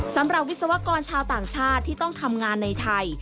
วิศวกรชาวต่างชาติที่ต้องทำงานในไทย